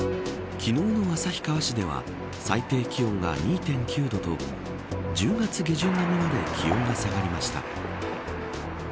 昨日の旭川市では最低気温が２．９度と１０月下旬並みまで気温が下がりました。